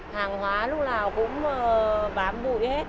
hàng hóa lúc nào cũng bám bụi hết